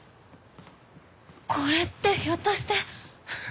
これってひょっとして。